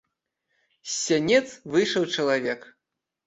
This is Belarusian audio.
З сянец выйшаў чалавек.